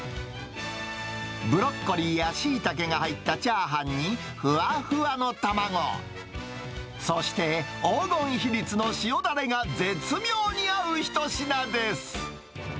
ブロッコリーやシイタケが入ったチャーハンに、ふわふわの卵、そして、黄金比率の塩だれが絶妙に合う一品です。